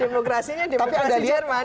demokrasinya demokrasi jerman